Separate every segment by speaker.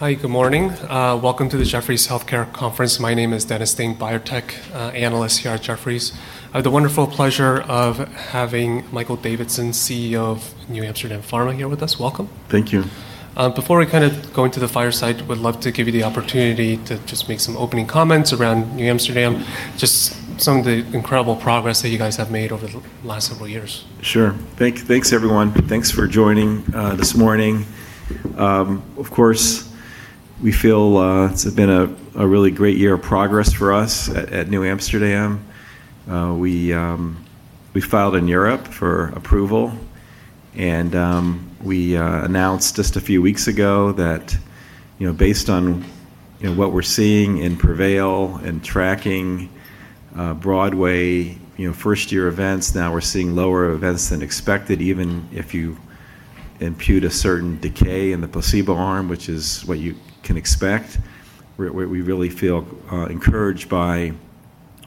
Speaker 1: Hi, good morning. Welcome to the Jefferies Healthcare Conference. My name is Dennis Ding, biotech analyst here at Jefferies. I have the wonderful pleasure of having Michael Davidson, CEO of NewAmsterdam Pharma here with us. Welcome.
Speaker 2: Thank you.
Speaker 1: Before I go into the fireside, would love to give you the opportunity to just make some opening comments around NewAmsterdam. Just some of the incredible progress that you guys have made over the last several years.
Speaker 2: Sure. Thanks everyone. Thanks for joining this morning. Of course, we feel it's been a really great year of progress for us at NewAmsterdam. We filed in Europe for approval and we announced just a few weeks ago that based on what we're seeing in PREVAIL and tracking BROADWAY first year events, now we're seeing lower events than expected, even if you impute a certain decay in the placebo arm, which is what you can expect, where we really feel encouraged by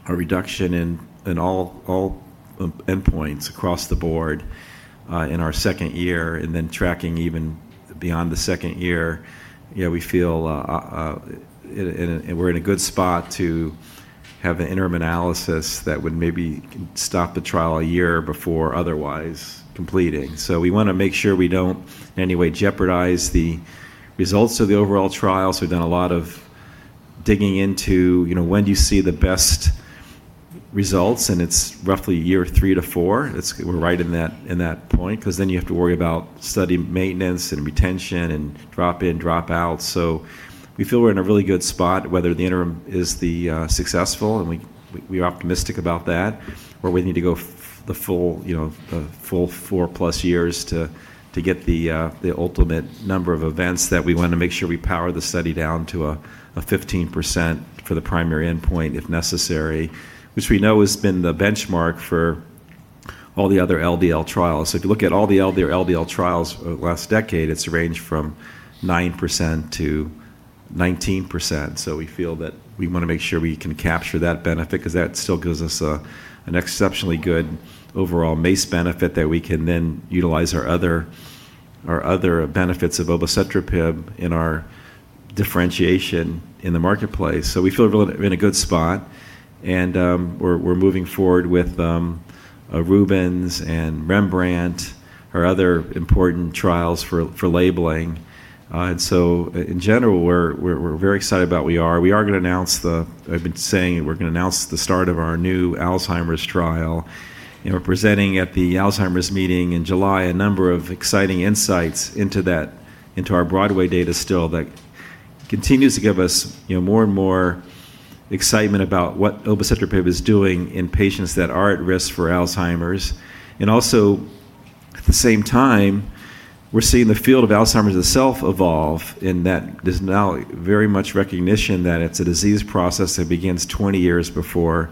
Speaker 2: a reduction in all endpoints across the board, in our second year, and then tracking even beyond the second year. We feel we're in a good spot to have an interim analysis that would maybe stop the trial a year before otherwise completing. We want to make sure we don't in any way jeopardize the results of the overall trial. We've done a lot of digging into when do you see the best results, and it's roughly year three to four. We're right in that point because then you have to worry about study maintenance and retention and drop in, drop out. We feel we're in a really good spot whether the interim is successful, and we are optimistic about that, or we need to go the full four-plus years to get the ultimate number of events that we want to make sure we power the study down to a 15% for the primary endpoint if necessary, which we know has been the benchmark for all the other LDL trials. If you look at all the other LDL trials over the last decade, it's ranged from 9% to 19%. We feel that we want to make sure we can capture that benefit because that still gives us an exceptionally good overall MACE benefit that we can then utilize our other benefits of obicetrapib in our differentiation in the marketplace. We feel we're in a good spot and we're moving forward with RUBENS and REMBRANDT, our other important trials for labeling. In general, we're very excited about where we are. I've been saying we're going to announce the start of our new Alzheimer's trial, and we're presenting at the Alzheimer's meeting in July. A number of exciting insights into our BROADWAY data still that continues to give us more and more excitement about what obicetrapib is doing in patients that are at risk for Alzheimer's. Also at the same time, we're seeing the field of Alzheimer's itself evolve in that there's now very much recognition that it's a disease process that begins 20 years before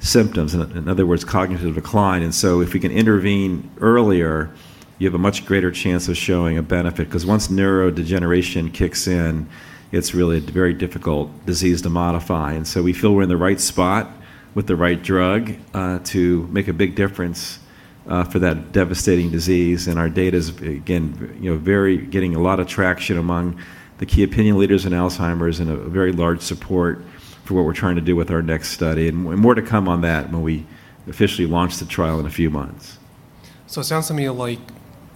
Speaker 2: symptoms, in other words, cognitive decline. If we can intervene earlier, you have a much greater chance of showing a benefit because once neurodegeneration kicks in, it's really a very difficult disease to modify. We feel we're in the right spot with the right drug, to make a big difference for that devastating disease. Our data's, again, getting a lot of traction among the key opinion leaders in Alzheimer's and a very large support for what we're trying to do with our next study and more to come on that when we officially launch the trial in a few months.
Speaker 1: It sounds to me like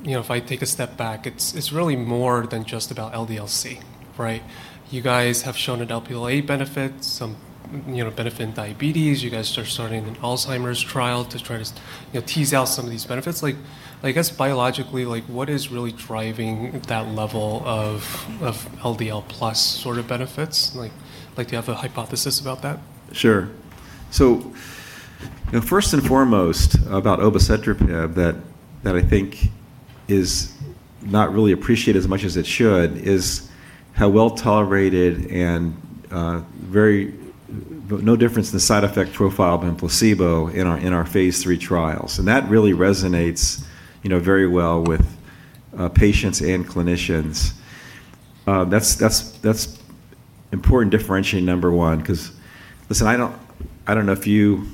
Speaker 1: if I take a step back, it's really more than just about LDL-C, right? You guys have shown an Lp(a) benefit, some benefit in diabetes. You guys are starting an Alzheimer's trial to try to tease out some of these benefits. I guess biologically, what is really driving that level of LDL plus sort of benefits? Do you have a hypothesis about that?
Speaker 2: Sure. First and foremost about obicetrapib that I think is not really appreciated as much as it should, is how well-tolerated and no difference in the side effect profile than placebo in our phase III trials. That really resonates very well with patients and clinicians. That's important differentiator number one, because listen, I don't know if you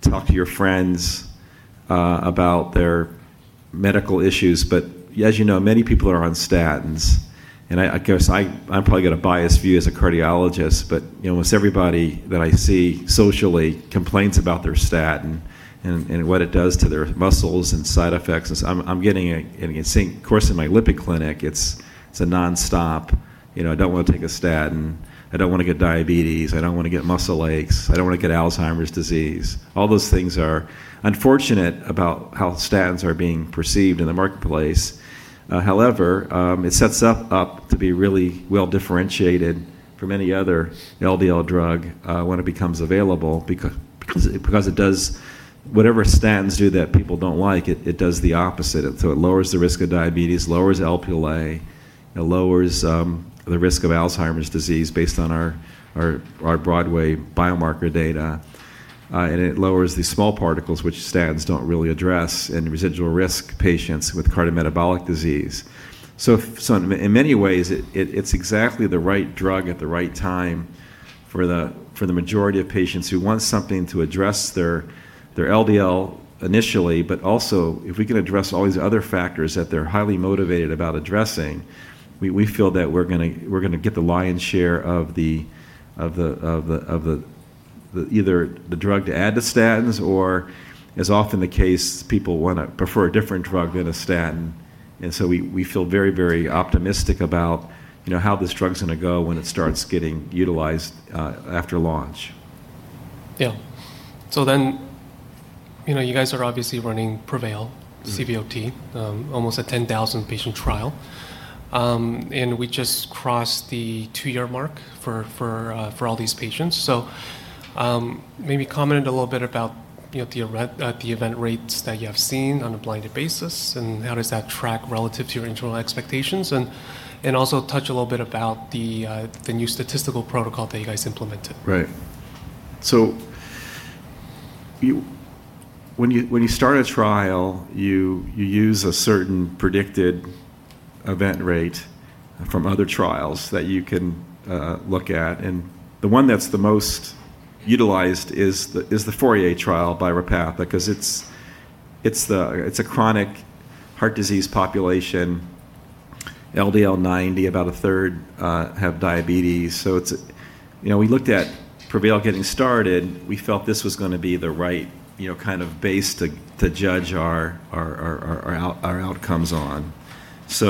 Speaker 2: talk to your friends about their medical issues, but as you know, many people are on statins, and I guess I probably got a biased view as a cardiologist, but almost everybody that I see socially complains about their statin and what it does to their muscles and side effects. Of course, in my lipid clinic, it's a nonstop, "I don't want to take a statin. I don't want to get diabetes. I don't want to get muscle aches. I don't want to get Alzheimer's disease. All those things are unfortunate about how statins are being perceived in the marketplace. It sets us up to be really well-differentiated from any other LDL drug when it becomes available because it does whatever statins do that people don't like, it does the opposite. It lowers the risk of diabetes, lowers Lp(a), it lowers the risk of Alzheimer's disease based on our BROADWAY biomarker data. It lowers the small particles, which statins don't really address in residual risk patients with cardiometabolic disease. In many ways, it's exactly the right drug at the right time. For the majority of patients who want something to address their LDL initially, but also, if we can address all these other factors that they're highly motivated about addressing, we feel that we're going to get the lion's share of the either the drug to add to statins, or as often the case, people want to prefer a different drug than a statin. We feel very optimistic about how this drug's going to go when it starts getting utilized after launch.
Speaker 1: Yeah. You guys are obviously running PREVAIL, CVOT, almost a 10,000-patient trial. We just crossed the two-year mark for all these patients. Maybe comment a little bit about the event rates that you have seen on a blinded basis, and how does that track relative to your internal expectations? Also touch a little bit about the new statistical protocol that you guys implemented.
Speaker 2: Right. When you start a trial, you use a certain predicted event rate from other trials that you can look at. The one that's the most utilized is the FOURIER trial by Repatha, because it's a chronic heart disease population, LDL 90, about a third have diabetes. When we looked at PREVAIL getting started, we felt this was going to be the right kind of base to judge our outcomes on. That's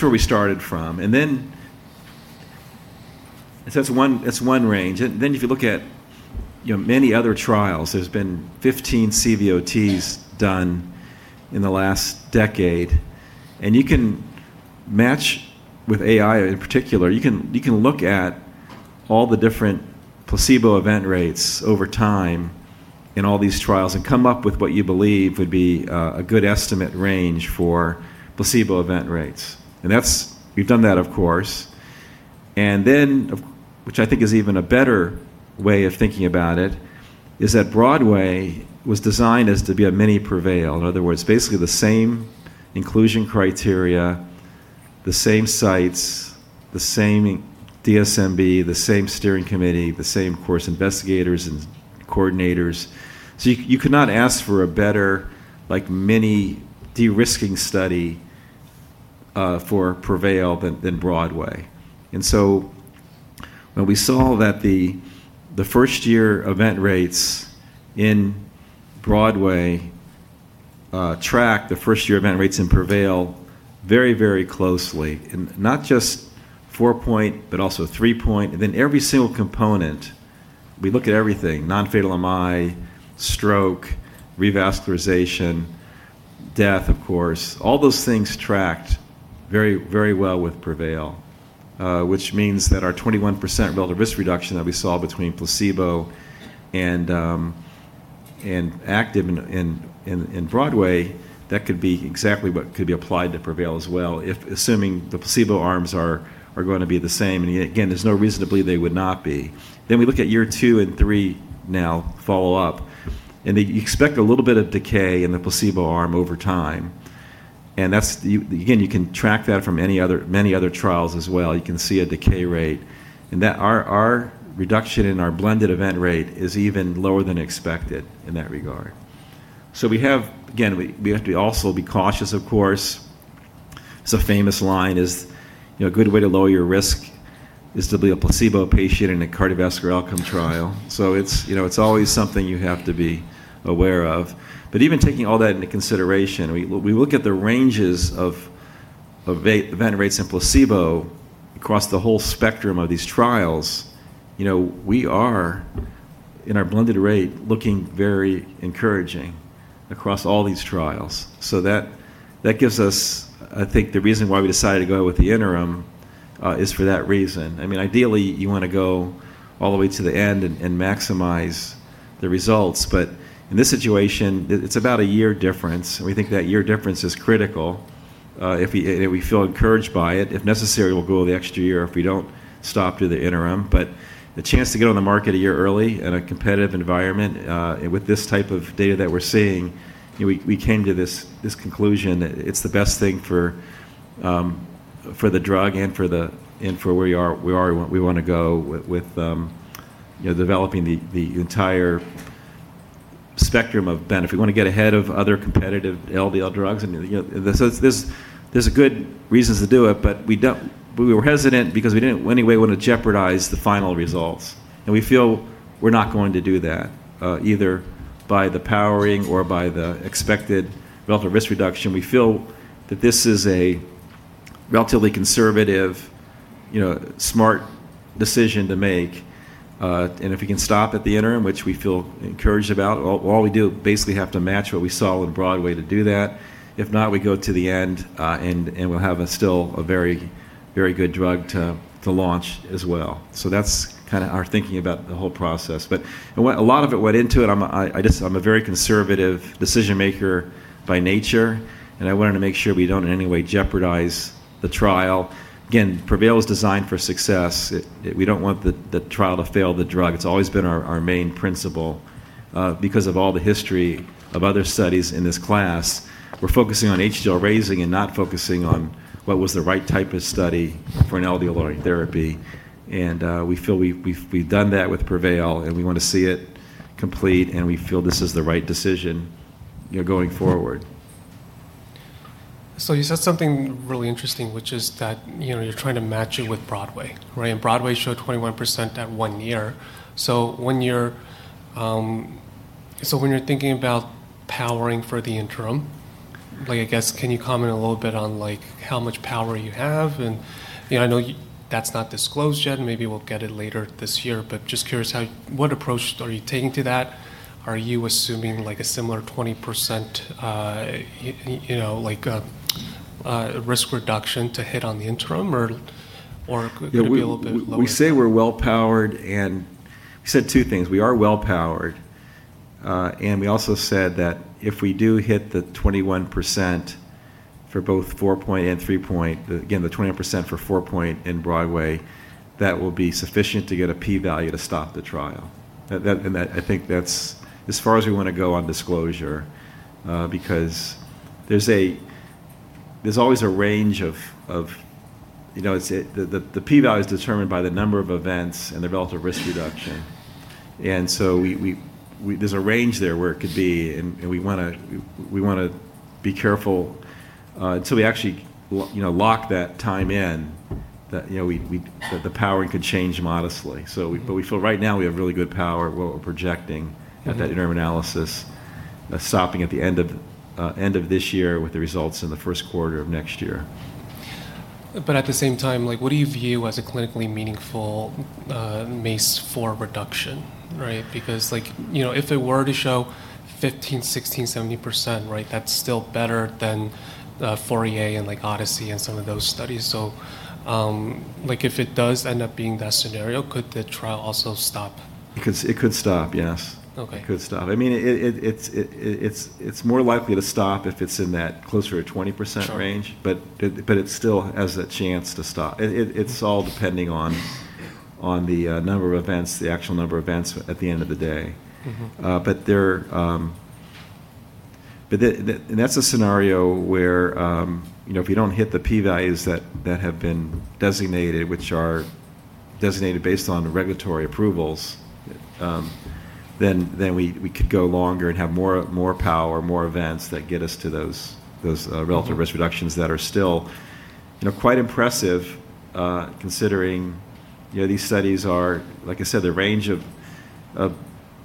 Speaker 2: where we started from. That's one range. If you look at many other trials, there's been 15 CVOTs done in the last decade, and you can match with AI in particular. You can look at all the different placebo event rates over time in all these trials and come up with what you believe would be a good estimate range for placebo event rates. We've done that, of course. Which I think is even a better way of thinking about it, is that BROADWAY was designed as to be a mini PREVAIL. In other words, basically the same inclusion criteria, the same sites, the same DSMB, the same steering committee, the same core investigators and coordinators. You could not ask for a better mini de-risking study for PREVAIL than BROADWAY. When we saw that the first-year event rates in BROADWAY track the first-year event rates in PREVAIL very closely, in not just four point, but also three point, and then every single component, we look at everything, non-fatal MI, stroke, revascularization, death, of course. All those things tracked very well with PREVAIL, which means that our 21% relative risk reduction that we saw between placebo and active in BROADWAY, that could be exactly what could be applied to PREVAIL as well, if assuming the placebo arms are going to be the same. Again, there's no reason to believe they would not be. We look at year two and three now follow-up, and you expect a little bit of decay in the placebo arm over time. Again, you can track that from many other trials as well. You can see a decay rate, our reduction in our blended event rate is even lower than expected in that regard. We have to also be cautious, of course. There's a famous line is, "A good way to lower your risk is to be a placebo patient in a cardiovascular outcome trial." It's always something you have to be aware of. Even taking all that into consideration, we look at the ranges of event rates in placebo across the whole spectrum of these trials. We are, in our blended rate, looking very encouraging across all these trials. That gives us, I think the reason why we decided to go with the interim is for that reason. Ideally, you want to go all the way to the end and maximize the results. In this situation, it's about a year difference, and we think that year difference is critical. We feel encouraged by it. If necessary, we'll go the extra year if we don't stop through the interim. The chance to get on the market a year early in a competitive environment with this type of data that we're seeing, we came to this conclusion. It's the best thing for the drug and for where we want to go with developing the entire spectrum of benefit. We want to get ahead of other competitive LDL drugs, and there's good reasons to do it, but we were hesitant because we didn't in any way want to jeopardize the final results. We feel we're not going to do that, either by the powering or by the expected relative risk reduction. We feel that this is a relatively conservative, smart decision to make. If we can stop at the interim, which we feel encouraged about, all we do basically have to match what we saw with BROADWAY to do that. If not, we go to the end, and we'll have a still a very good drug to launch as well. That's kind of our thinking about the whole process. A lot of it went into it, I'm a very conservative decision-maker by nature, and I wanted to make sure we don't in any way jeopardize the trial. Again, PREVAIL is designed for success. We don't want the trial to fail the drug. It's always been our main principle. Of all the history of other studies in this class, we're focusing on HDL raising and not focusing on what was the right type of study for an LDL-lowering therapy. We feel we've done that with PREVAIL, and we want to see it complete, and we feel this is the right decision going forward.
Speaker 1: You said something really interesting, which is that you're trying to match it with BROADWAY, right? BROADWAY showed 21% at one year. When you're thinking about powering for the interim, I guess, can you comment a little bit on how much power you have? I know that's not disclosed yet, and maybe we'll get it later this year, but just curious, what approach are you taking to that? Are you assuming a similar 20% risk reduction to hit on the interim, or could it be a little bit lower?
Speaker 2: We say we're well-powered, and we said two things. We are well-powered, we also said that if we do hit the 21% for both 4-point and 3-point, again, the 20% for 4-point in BROADWAY, that will be sufficient to get a P value to stop the trial. I think that's as far as we want to go on disclosure, because there's always a range. The P value is determined by the number of events and the relative risk reduction. There's a range there where it could be, and we want to be careful until we actually lock that time in, that the powering could change modestly. We feel right now we have really good power, what we're projecting at that interim analysis, stopping at the end of this year with the results in the first quarter of next year.
Speaker 1: At the same time, what do you view as a clinically meaningful MACE for reduction, right? If it were to show 15%, 16%, 17%, right, that's still better than FOURIER and ODYSSEY and some of those studies. If it does end up being that scenario, could the trial also stop?
Speaker 2: It could stop, yes.
Speaker 1: Okay.
Speaker 2: It could stop. It's more likely to stop if it's in that closer to 20% range. It still has a chance to stop. It's all depending on the number of events, the actual number of events at the end of the day. That's a scenario where, if you don't hit the P values that have been designated, which are designated based on the regulatory approvals, then we could go longer and have more power, more events, that get us to those relative risk reductions that are still quite impressive, considering these studies are, like I said, the range of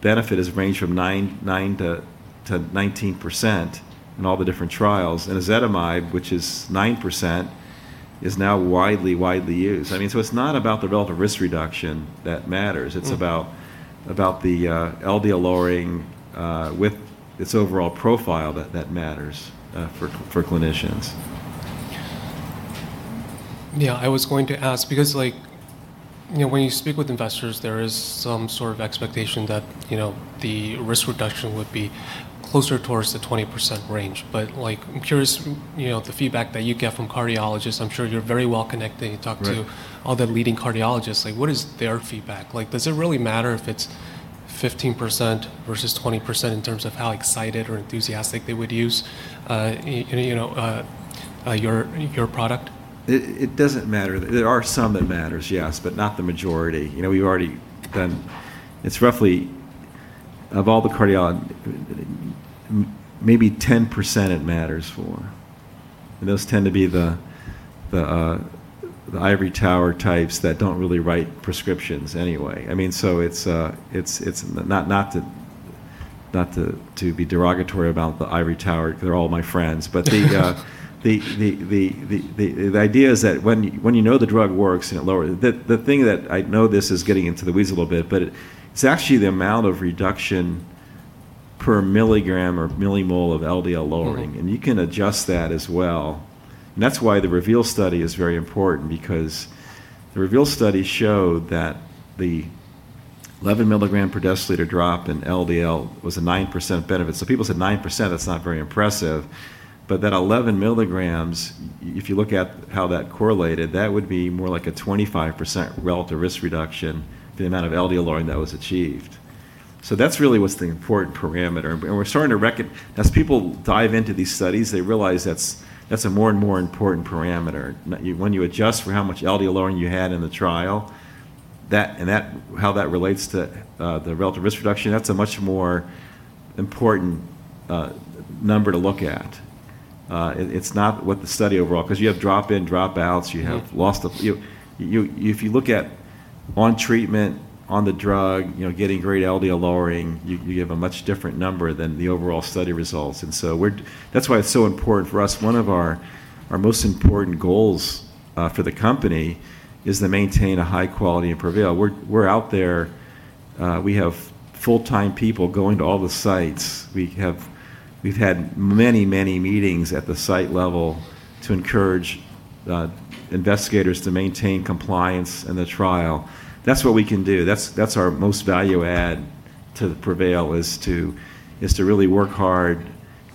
Speaker 2: benefit is a range from 9 to 19% in all the different trials. Ezetimibe, which is 9%, is now widely used. It's not about the relative risk reduction that matters. It's about the LDL lowering with its overall profile that matters for clinicians.
Speaker 1: Yeah, I was going to ask because when you speak with investors, there is some sort of expectation that the risk reduction would be closer towards the 20% range. I'm curious, the feedback that you get from cardiologists, I'm sure you're very well-connected you talked to all the leading cardiologists. What is their feedback? Does it really matter if it's 15% versus 20% in terms of how excited or enthusiastic they would use your product?
Speaker 2: It doesn't matter. There are some that matter, yes, but not the majority. It's roughly, of all the cardiology, maybe 10% it matters for, and those tend to be the ivory tower types that don't really write prescriptions anyway. Not to be derogatory about the ivory tower, they're all my friends. The idea is that when you know the drug works and it lowers the thing that, I know this is getting into the weeds a little bit, but it's actually the amount of reduction per milligram or millimole of LDL lowering. You can adjust that as well. That's why the REVEAL study is very important, because the REVEAL study showed that the 11 milligram per deciliter drop in LDL was a 9% benefit. People said, "9%, that's not very impressive." That 11 milligrams, if you look at how that correlated, that would be more like a 25% relative risk reduction, the amount of LDL lowering that was achieved. That's really what's the important parameter, and we're starting to. As people dive into these studies, they realize that's a more and more important parameter. When you adjust for how much LDL lowering you had in the trial, and how that relates to the relative risk reduction, that's a much more important number to look at. It's not what the study overall, because you have drop-in, drop-outs. If you look at on treatment, on the drug, getting great LDL lowering, you have a much different number than the overall study results. That's why it's so important for us. One of our most important goals for the company is to maintain a high quality in PREVAIL. We're out there. We have full-time people going to all the sites. We've had many, many meetings at the site level to encourage investigators to maintain compliance in the trial. That's what we can do. That's our most value add to PREVAIL, is to really work hard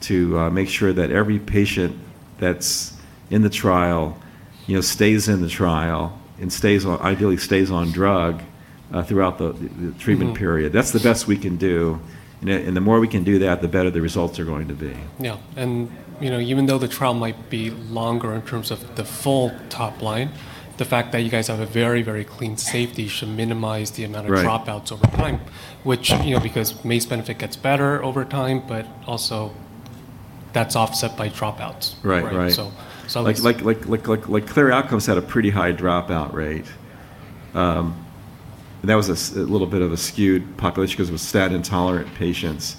Speaker 2: to make sure that every patient that's in the trial stays in the trial and ideally stays on drug throughout the treatment period. That's the best we can do, and the more we can do that, the better the results are going to be.
Speaker 1: Yeah. Even though the trial might be longer in terms of the full top line, the fact that you guys have a very clean safety should minimize the amount of dropouts over time, which, because MACE benefit gets better over time, but also that's offset by dropouts.
Speaker 2: Right. Like CLEAR Outcomes had a pretty high dropout rate. That was a little bit of a skewed population because it was statin-tolerant patients.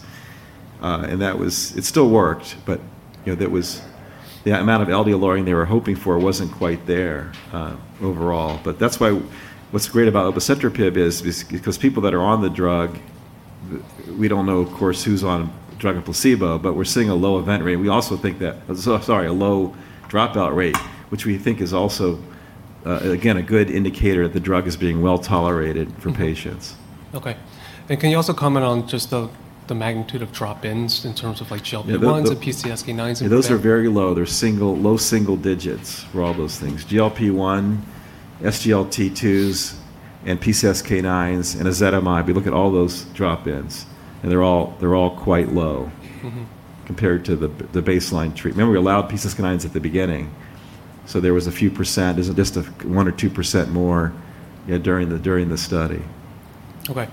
Speaker 2: It still worked, but the amount of LDL lowering they were hoping for wasn't quite there overall. That's why what's great about obicetrapib is because people that are on the drug, we don't know, of course, who's on drug or placebo, but we're seeing a low event rate. Sorry, a low dropout rate, which we think is also, again, a good indicator that the drug is being well-tolerated from patients.
Speaker 1: Okay. Can you also comment on just the magnitude of drop-ins in terms of GLP-1s and PCSK9s.
Speaker 2: Those are very low. They're low single digits for all those things. GLP-1, SGLT2s, and PCSK9s, and ezetimibe. You look at all those drop-ins, and they're all quite low compared to the baseline treatment. Remember, we allowed PCSK9s at the beginning, so there was a few percent. It was just a one or two % more during the study.
Speaker 1: Okay.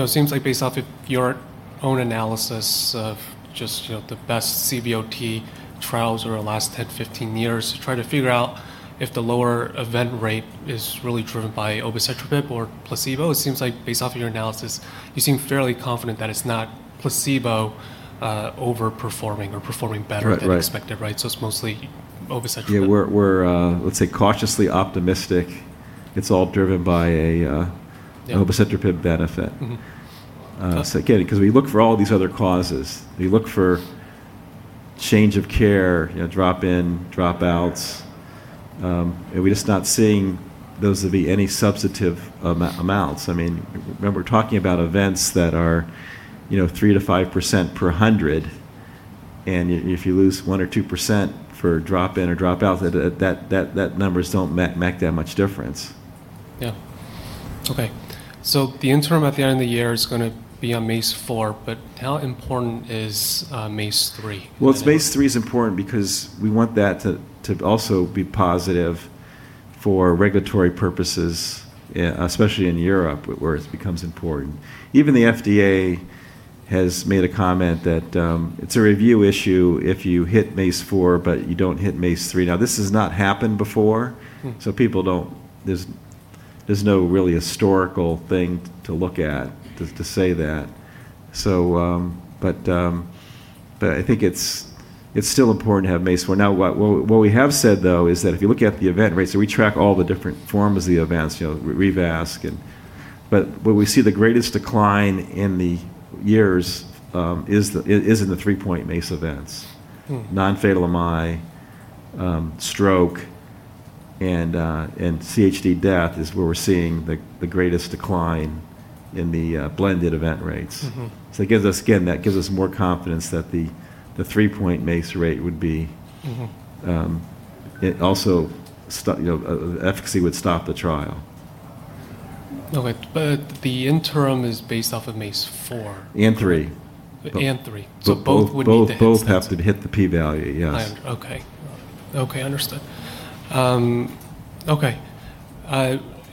Speaker 1: It seems like based off of your own analysis of just the best CVOT trials over the last 10, 15 years to try to figure out if the lower event rate is really driven by obicetrapib or placebo, it seems like based off of your analysis, you seem fairly confident that it's not placebo over-performing or performing better than expected. Right? It's mostly obicetrapib.
Speaker 2: Yeah. We're, let's say, cautiously optimistic it's all driven by obicetrapib benefit. We look for all these other causes. We look for change of care, drop-in, dropouts, and we're just not seeing those to be any substantive amounts. Remember, talking about events that are 3%-5% per 100, and if you lose 1% or 2% for drop-in or drop-out, that numbers don't make that much difference.
Speaker 1: Yeah. Okay. The interim at the end of the year is going to be on MACE-4, but how important is MACE-3?
Speaker 2: Well, MACE-3 is important because we want that to also be positive for regulatory purposes, especially in Europe, where it becomes important. Even the FDA has made a comment that it's a review issue if you hit MACE-4, but you don't hit MACE-3. Now, this has not happened before. There's no really historical thing to look at to say that. I think it's still important to have MACE-4. What we have said, though, is that if you look at the event rates, we track all the different forms of the events, Revasc. Where we see the greatest decline in the years is in the three-point MACE events. Non-fatal MI, stroke, and CHD death is where we're seeing the greatest decline in the blended event rates. Again, that gives us more confidence that the three-point MACE rate would be, also efficacy would stop the trial.
Speaker 1: Okay. The interim is based off of MACE-4.
Speaker 2: Three.
Speaker 1: Three. Both would hit.
Speaker 2: Both have to hit the P value, yes.
Speaker 1: Okay. Understood.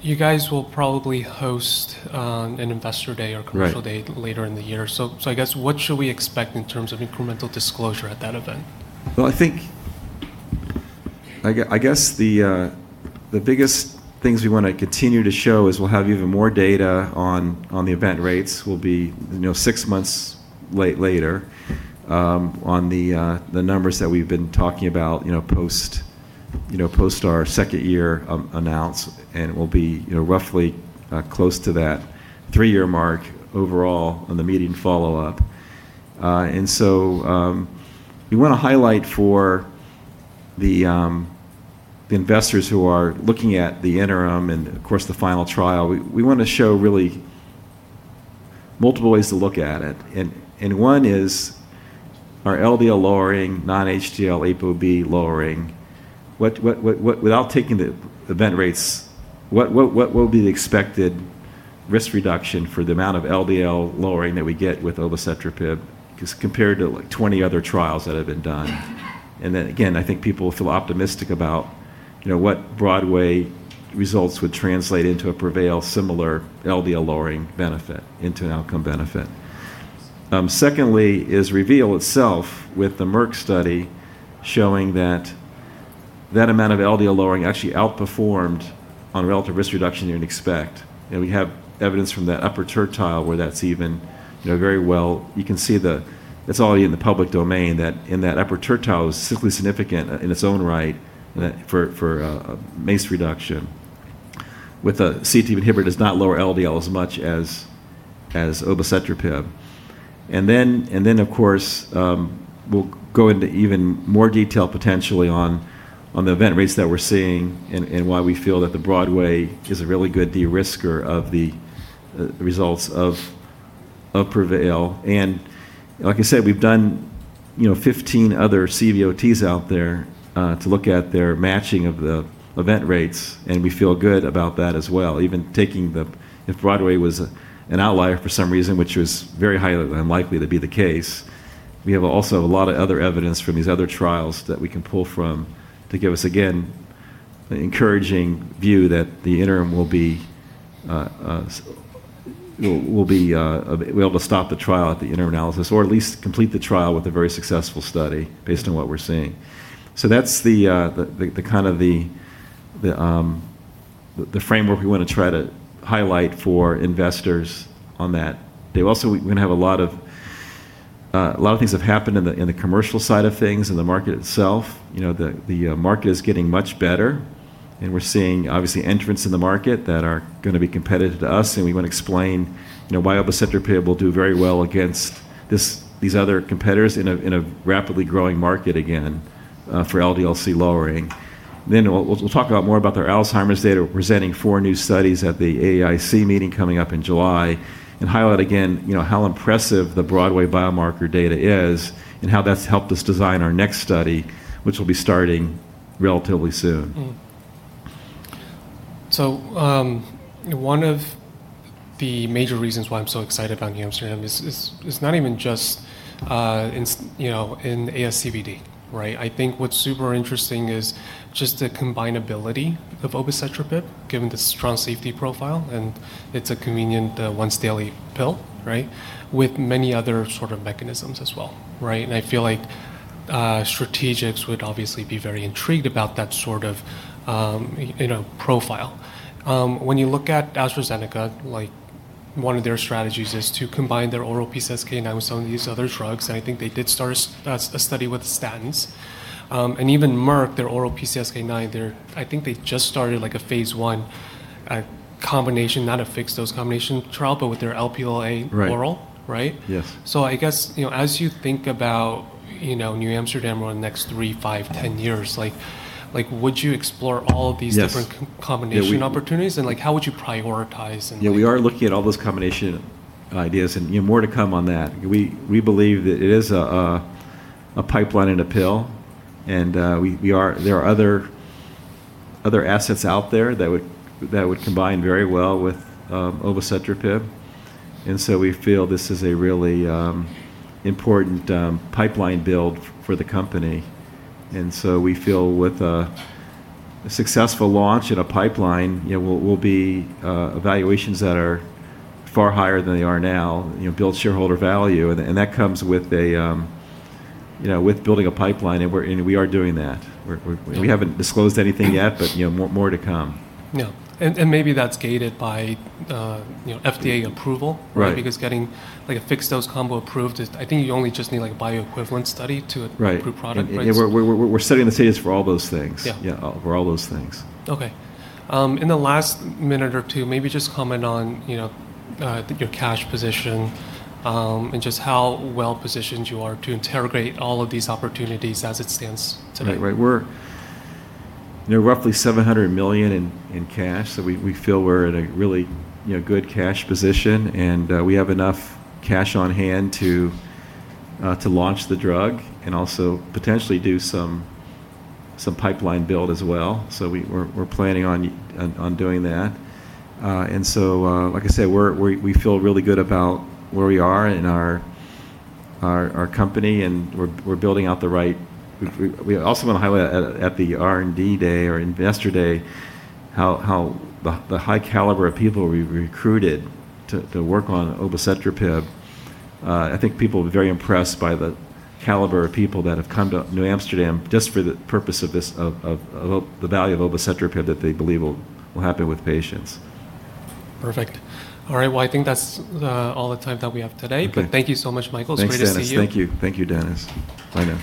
Speaker 1: You guys will probably host an investor day later in the year. I guess, what should we expect in terms of incremental disclosure at that event?
Speaker 2: I guess the biggest things we want to continue to show is we'll have even more data on the event rates. We'll be six months later on the numbers that we've been talking about, post our second year announce, and we'll be roughly close to that three-year mark overall on the median follow-up. We want to highlight for the investors who are looking at the interim, and of course, the final trial, we want to show really multiple ways to look at it. One is our LDL lowering, non-HDL ApoB lowering. Without taking the event rates, what will be the expected risk reduction for the amount of LDL lowering that we get with obicetrapib, just compared with like 20 other trials that have been done. Then again, I think people feel optimistic about what BROADWAY results would translate into a PREVAIL similar LDL lowering benefit into an outcome benefit. Secondly is REVEAL itself with the Merck study showing that that amount of LDL lowering actually outperformed on relative risk reduction you'd expect. We have evidence from that upper tertile where that's even. Very well, you can see that's all in the public domain, that in that upper tertile is simply significant in its own right for MACE reduction. With a CETP inhibitor does not lower LDL as much as obicetrapib. Then, of course, we'll go into even more detail potentially on the event rates that we're seeing and why we feel that the BROADWAY is a really good de-risker of the results of PREVAIL. Like I said, we've done 15 other CVOTs out there to look at their matching of the event rates, and we feel good about that as well. Even if BROADWAY was an outlier for some reason, which was very highly unlikely to be the case, we have also a lot of other evidence from these other trials that we can pull from to give us, again, an encouraging view that we'll be able to stop the trial at the interim analysis, or at least complete the trial with a very successful study based on what we're seeing. That's the kind of the framework we want to try to highlight for investors on that. Also, we're going to have a lot of things have happened in the commercial side of things, in the market itself. The market is getting much better. We're seeing, obviously, entrants in the market that are going to be competitive to us, and we want to explain why obicetrapib will do very well against these other competitors in a rapidly growing market again for LDL-C lowering. We'll talk more about their Alzheimer's data, presenting four new studies at the AAIC meeting coming up in July, and highlight again how impressive the BROADWAY biomarker data is and how that's helped us design our next study, which will be starting relatively soon.
Speaker 1: One of the major reasons why I'm so excited about NewAmsterdam is not even just in ASCVD, right? I think what's super interesting is just the combinability of obicetrapib, given the strong safety profile, and it's a convenient once-daily pill, right, with many other sort of mechanisms as well. Right? I feel like strategics would obviously be very intrigued about that sort of profile. When you look at AstraZeneca, one of their strategies is to combine their oral PCSK9 with some of these other drugs, and I think they did start a study with statins. Even Merck, their oral PCSK9, I think they just started a phase I combination, not a fixed-dose combination trial, but with their Lp(a) oral. Right?
Speaker 2: Yes.
Speaker 1: I guess, as you think about NewAmsterdam over the next three, five, 10 years, would you explore all of these different combination opportunities, how would you prioritize them?
Speaker 2: Yeah, we are looking at all those combination ideas, and more to come on that. We believe that it is a pipeline in a pill, and there are other assets out there that would combine very well with obicetrapib. We feel this is a really important pipeline build for the company. We feel with a successful launch and a pipeline, we'll be evaluations that are far higher than they are now, build shareholder value, and that comes with building a pipeline, and we are doing that. We haven't disclosed anything yet, but more to come.
Speaker 1: Yeah. Maybe that's gated by FDA approval.
Speaker 2: Right.
Speaker 1: Because getting a fixed-dose combo approved is, I think you only just need a bioequivalence study to approve product, right?
Speaker 2: Yeah. We're setting the stage for all those things. Yeah. For all those things.
Speaker 1: Okay. In the last minute or two, maybe just comment on your cash position, and just how well-positioned you are to interrogate all of these opportunities as it stands today.
Speaker 2: Right. We're roughly $700 million in cash, we feel we're in a really good cash position, we have enough cash on hand to launch the drug and also potentially do some pipeline build as well. We're planning on doing that. Like I said, we feel really good about where we are and our company. We also want to highlight at the R&D Day or Investor Day how the high caliber of people we've recruited to work on obicetrapib. I think people will be very impressed by the caliber of people that have come to NewAmsterdam just for the purpose of the value of obicetrapib that they believe will happen with patients.
Speaker 1: Perfect. All right. Well, I think that's all the time that we have today. Thank you so much, Michael. It's great to see you.
Speaker 2: Thanks, Dennis. Thank you. Thank you, Dennis. Bye now.